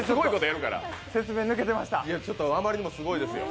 あまりにもすごいですよ。